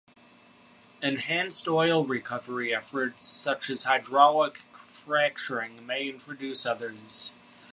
Enhanced oil recovery efforts such as hydraulic fracturing may introduce others.